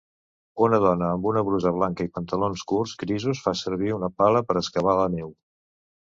Una dona amb una brusa blanca i pantalons curts grisos fa servir una pala per excavar a la neu.